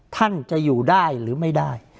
ท่านจะอยู่ได้หรือไม่ได้